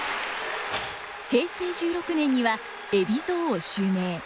平成１６年には海老蔵を襲名。